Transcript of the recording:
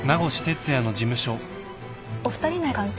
お二人の関係って。